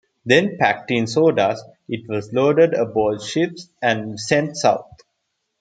Then, packed in sawdust, it was loaded aboard ships and sent south.